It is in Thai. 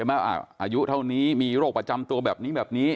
อายุเท่านี้มีโรคประจำตัวแบบนี้แบบนี้